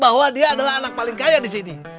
bahwa dia adalah anak paling kaya di sini